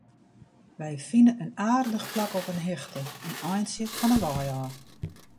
Wy fine in aardich plak op in hichte, in eintsje fan 'e wei ôf.